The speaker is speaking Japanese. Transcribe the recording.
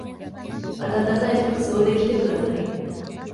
あたたかい服装で来てください。